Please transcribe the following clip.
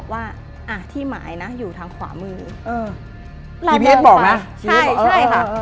ว่าอ่ะที่หมายนะอยู่ทางขวามือเออบอกไหมใช่ใช่ค่ะ